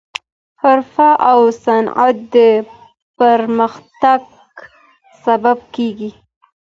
حرفه او صنعت د پرمختګ سبب کیږي.